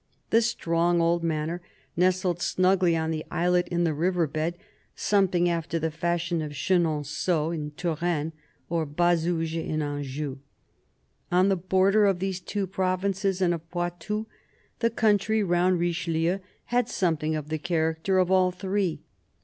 The strong old manor nestled snugly on the islet in the river bed, something after the fashion of Chenonceaux in Touraine or Bazouges in Anjou. On the border of these two provinces and of Poitou, the country round Richelieu had something of the character of all three.